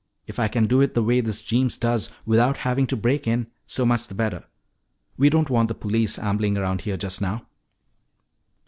If I can do it the way this Jeems does, without having to break in so much the better. We don't want the police ambling around here just now."